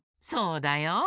そうだよ。